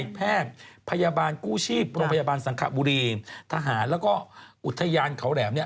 แพทย์พยาบาลกู้ชีพโรงพยาบาลสังขบุรีทหารแล้วก็อุทยานเขาแหลมเนี่ย